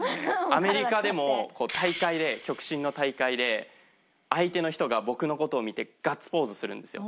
アメリカでも大会で極真の大会で相手の人が僕の事を見てガッツポーズするんですよ。